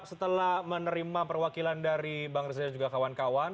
setelah menerima perwakilan dari bang reza dan juga kawan kawan